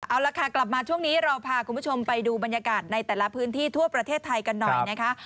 เอาละค่ะกลับมาช่วงนี้เราพาคุณผู้ชมไปดูบรรยากาศในแต่ละพื้นที่ทั่วประเทศไทยกันหน่อยนะคะ